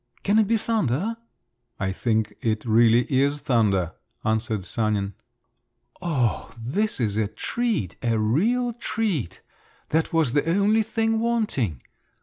"Can it be thunder?" "I think it really is thunder," answered Sanin. "Oh, this is a treat, a real treat! That was the only thing wanting!"